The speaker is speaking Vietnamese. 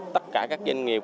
tất cả các doanh nghiệp